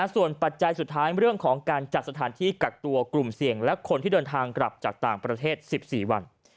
ส่วนปัจจัยสุดท้ายเรื่องของการจัดสถานที่กักตัวกลุ่มเสี่ยงและคนที่เดินทางกลับจากต่างประเทศ๑๔วัน